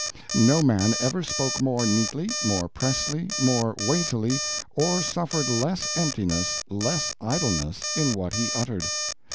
No man ever spoke more neatly, more pressly, more weightily, or suffered less emptiness, less idleness, in what he uttered.